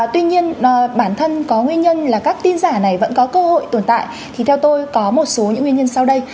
tuy nhiên bản thân có nguyên nhân là các tin giả này vẫn có cơ hội tồn tại thì theo tôi có một số những nguyên nhân sau đây